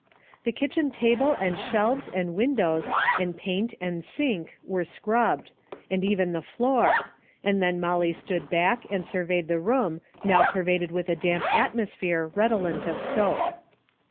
The kitchen table and shelves and win dows and paint and sink were scrubbed, and even the floor, and then Molly stood back and surveyed the room now pervaded with a damp atmosphere redolent of soap.